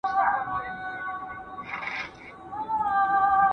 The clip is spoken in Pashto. ولي انلاین سرچینې مهمي دي؟